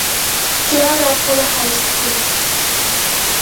Cloud Apollo High School.